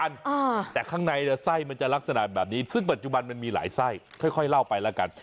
ยังคือข้างในไส้มันจะลักษณะแบบนี้ซึ่งปัจจุบันนั่นมีหลายไส้ค่อยเล่าไปแล้วกัน